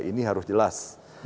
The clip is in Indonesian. ini harus jelas